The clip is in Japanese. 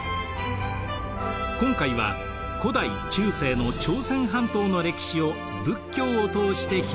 今回は古代・中世の朝鮮半島の歴史を仏教を通してひもといていきます。